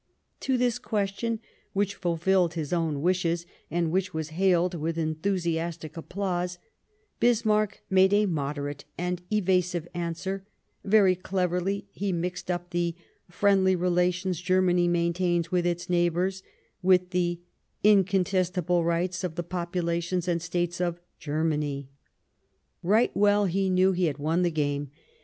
To this question, which fulfilled his own wishes, and which was hailed with enthusiastic applause, Bismarck made a moderate and evasive answer ; very cleverly he mixed up the " friendly relations Germany maintains with its neighbours" with " the incontestable rights of the populations and the States of Germany." Right well he knew he had won the game.